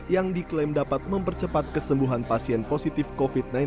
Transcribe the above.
yang diklaim dapat mempercepat kesembuhan pasien positif covid sembilan belas